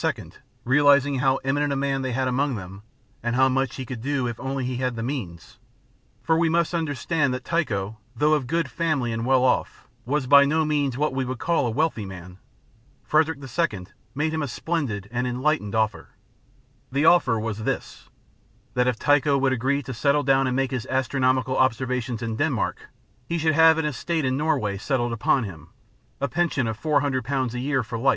realizing how eminent a man they had among them, and how much he could do if only he had the means for we must understand that Tycho, though of good family and well off, was by no means what we would call a wealthy man Frederick II. made him a splendid and enlightened offer. The offer was this: that if Tycho would agree to settle down and make his astronomical observations in Denmark, he should have an estate in Norway settled upon him, a pension of £400 a year for life, a site for a large observatory, and £20,000 to build it with. [Illustration: FIG. 20. Uraniburg.